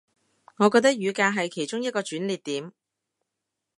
我覺得雨革係其中一個轉捩點